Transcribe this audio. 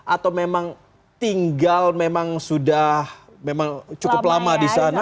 atau memang tinggal memang sudah cukup lama di sana